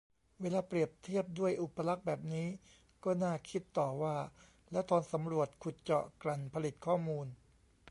เวลาเปรียบเทียบด้วยอุปลักษณ์แบบนี้ ก็น่าคิดต่อว่า แล้วตอนสำรวจ ขุดเจาะ กลั่น ผลิตข้อมูล